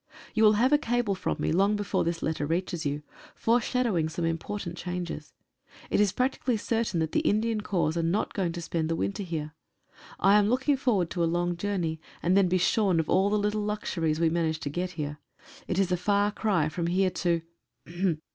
You will have a cable from me long before this letter reaches you, foreshadowing some important changes. It is practically certain that the Indian Corps is not going to spend the winter here. I am looking forward to a long journey, and then be shorn of all the little luxuries we manage to get here. It is a far cry from here to